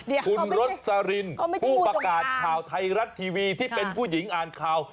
เดี๋ยวเขาไม่ใช่งูจงอ้างคุณรสลินผู้ประกาศข่าวไทยรัฐทีวีที่เป็นผู้หญิงอ่านข่าว